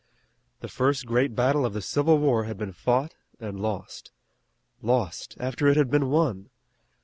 The first great battle of the Civil War had been fought and lost. Lost, after it had been won!